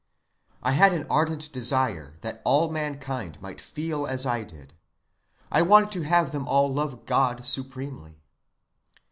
I had an ardent desire that all mankind might feel as I did; I wanted to have them all love God supremely.